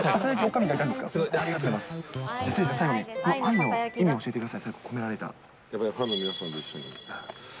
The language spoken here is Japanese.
じゃあ、最後に愛の意味を教えてください。